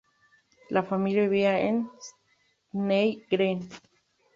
La familia vivía en Stepney Green.